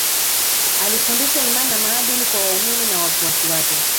Alifundisha imani na maadili kwa waaumini na wafuasi wake